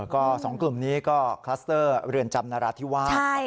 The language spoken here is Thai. ก็๒กลุ่มนี้ก็คลัสเตอร์เรือนจำนราธิวาส